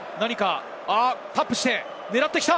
タップして狙ってきた！